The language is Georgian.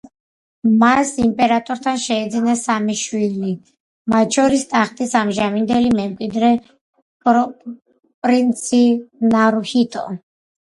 მას იმპერატორთან შეეძინა სამი შვილი, მათ შორის ტახტის ამჟამინდელი მემკვიდრე კრონპრინცი ნარუჰიტო.